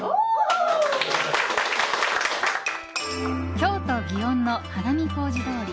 京都・祇園の花見小路通。